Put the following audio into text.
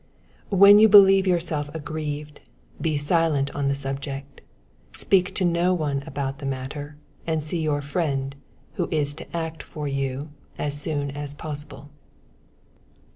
When you believe yourself aggrieved, be silent on the subject, speak to no one about the matter, and see your friend, who is to act for you, as soon as possible.